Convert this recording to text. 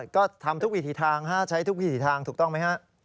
ก็ทำทุกวิถีทางใช้ทุกวิถีทางถูกต้องไหมฮะ